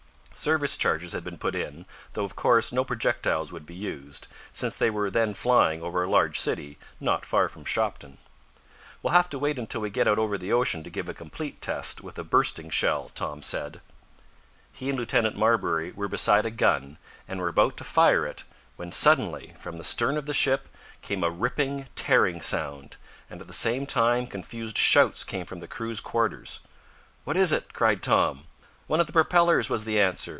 Service charges had been put in, though, of course, no projectiles would be used, since they were then flying over a large city not far from Shopton. "We'll have to wait until we get out over the ocean to give a complete test, with a bursting shell," Tom said. He and Lieutenant Marbury were beside a gun, and were about to fire it, when suddenly, from the stern of the ship, came a ripping, tearing sound, and, at the same time, confused shouts came from the crew's quarters. "What is it?" cried Tom. "One of the propellers!" was the answer.